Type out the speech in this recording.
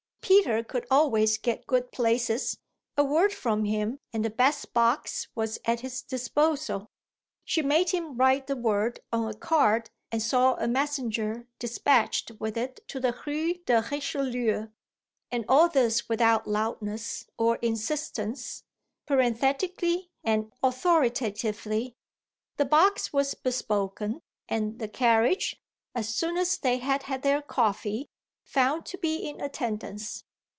Peter could always get good places: a word from him and the best box was at his disposal. She made him write the word on a card and saw a messenger despatched with it to the Rue de Richelieu; and all this without loudness or insistence, parenthetically and authoritatively. The box was bespoken and the carriage, as soon as they had had their coffee, found to be in attendance.